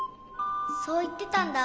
そういってたんだ。